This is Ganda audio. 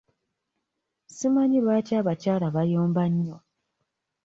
Simanyi lwaki abakyala bayomba nnyo?